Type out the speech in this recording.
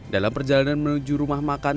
dalam perjalanan menuju rumah makan